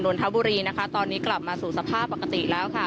นนทบุรีตอนนี้กลับมาสถาปกติแล้ว